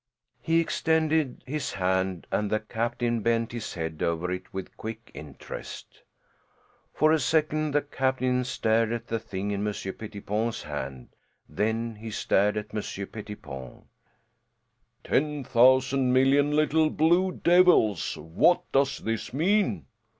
He extended his hand and the captain bent his head over it with quick interest. For a second the captain stared at the thing in Monsieur Pettipon's hand; then he stared at Monsieur Pettipon. "Ten thousand million little blue devils, what does this mean?"